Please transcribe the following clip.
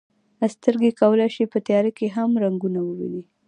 سترګې کولی شي په تیاره کې هم رنګونه وویني.